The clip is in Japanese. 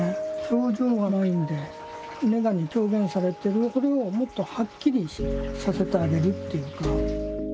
表情がないんでネガに表現されてるこれをもっとはっきりさせてあげるっていうか。